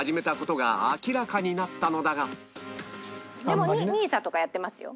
でもＮＩＳＡとかやってますよ。